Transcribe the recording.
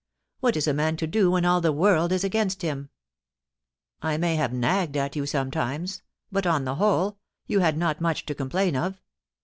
What is a man to do when all the world is against him ? I may have nagged at you sometimes, but, on the whole, you had not much to complain of.